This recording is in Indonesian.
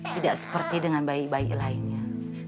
tidak seperti dengan bayi bayi lainnya